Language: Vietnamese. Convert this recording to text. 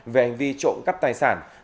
về hành vi trộm cắp tài sản